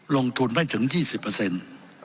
ลงทุนได้ถึง๒๐